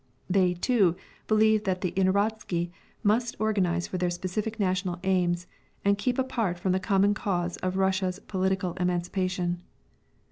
They, too, believe that the "inorodtzy" must organise for their specific national aims and keep apart from the common cause of Russia's political emancipation.